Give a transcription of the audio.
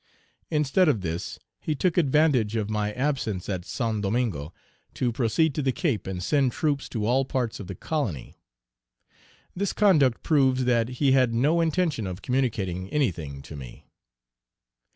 Instead of this, he took advantage of my absence at St. Domingo to proceed to the Cape and send troops to all parts of the colony. This conduct proves that he had no intention of communicating anything to me.